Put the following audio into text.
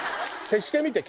消してみて！